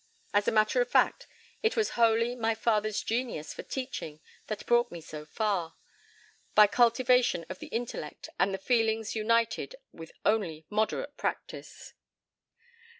As a matter of fact, it was wholly my father's genius for teaching that brought me so far, by cultivation of the intellect and the feelings united with only moderate practice."